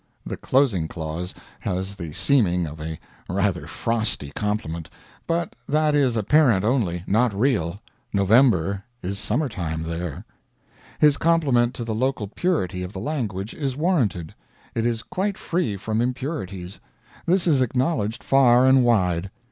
The closing clause has the seeming of a rather frosty compliment, but that is apparent only, not real. November is summer time there. His compliment to the local purity of the language is warranted. It is quite free from impurities; this is acknowledged far and wide.